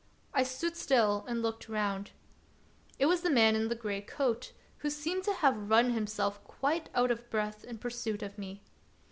I stood still and looked round ; it was the man in the gray coat, who seemed to have run himself quite out of breath in pursuit of me.